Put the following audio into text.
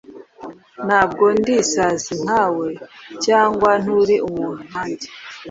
Ntabwo ndi isazi nkawe? Cyangwa nturi umuntu nkanjye?